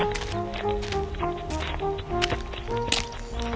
kedua duanya menemukan keledai